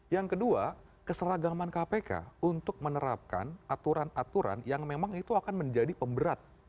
yang kedua keseragaman kpk untuk menerapkan aturan aturan yang memang itu akan menjadi pemberat